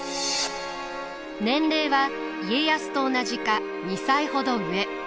年齢は家康と同じか２歳ほど上。